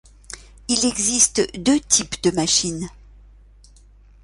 Il existe deux types de machines.